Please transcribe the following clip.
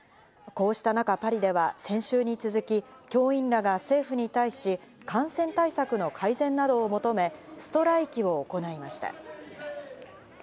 こうした中、パリでは先週に続き、教員らが政府に対し、感染対策の改善などを求め、ストライキを行いました。